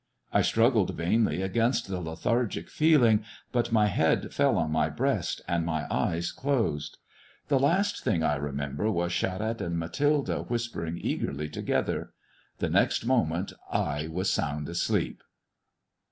I struggled vainly against the lethargic feeling ; but my head fell on my breast and my eyes closed. The last thing I remember was Charette and Mathilde whispering eagerly together. The next moment I was sound asleep.